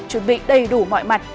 chuẩn bị đầy đủ mọi mặt